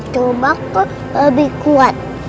coba aku lebih kuat